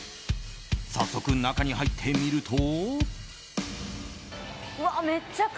早速、中に入ってみると。